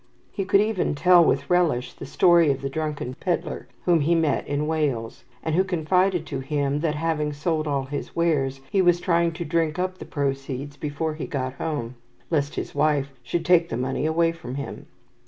He could even tell with relish the story of the drunken pedlar whom he met in Wales, and who confided to him that, having sold all his wares, he was trying to drink up the proceeds before he got home, lest his wife should take the money away from him.